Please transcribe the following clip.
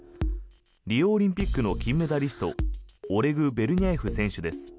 リオオリンピックの金メダリストオレグ・ベルニャエフ選手です。